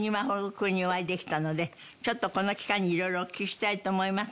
君にお会いできたのでちょっとこの機会に色々お聞きしたいと思います。